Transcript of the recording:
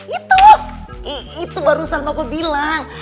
itu itu barusan bapak bilang